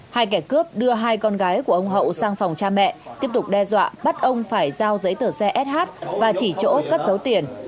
hai kẻ cướp đưa hai con gái của ông hậu sang phòng cha mẹ tiếp tục đe dọa bắt ông phải giao giấy tờ xe sh và chỉ chỗ cất dấu tiền